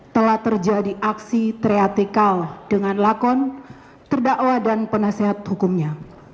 telah terjadi aksi triatikal dengan lakon terdakwa dan penasehat hukumnya